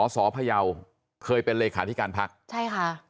สพยาวเคยเป็นเลขาธิการพักใช่ค่ะ